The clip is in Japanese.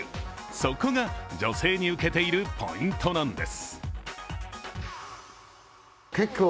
そこが女性にウケているポイントなんです。